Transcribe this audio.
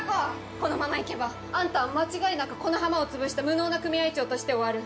このまま行けばあんたは間違いなくこの浜を潰した無能な組合長として終わる。